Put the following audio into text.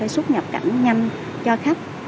xuất nhập cảnh nhanh cho khách